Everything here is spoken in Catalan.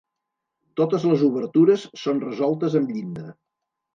Totes les obertures són resoltes amb llinda.